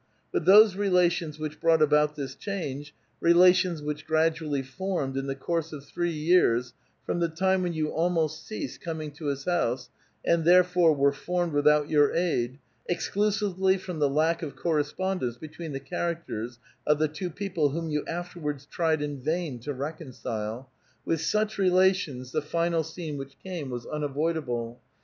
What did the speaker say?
With those relations which brought about this change, relations which gradually formed, in the course of three years, from the time when you almost ceased coming to his bouse, and tlierefore were formed without your aid, ex clusively from the lack of correspondence between the char acters, of the two people whom you afterwards tried in vain to reconcile ; with such relations, the final scene which came was unavoidable.